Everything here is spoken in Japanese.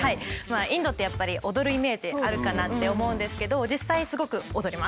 インドってやっぱり踊るイメージあるかなって思うんですけど実際すごく踊ります。